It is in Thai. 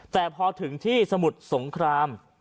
แต่พอถึงที่สมุทรสงคราม